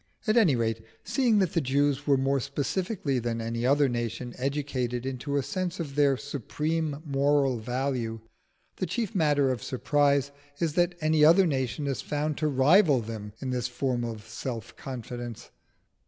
At any rate, seeing that the Jews were more specifically than any other nation educated into a sense of their supreme moral value, the chief matter of surprise is that any other nation is found to rival them in this form of self confidence.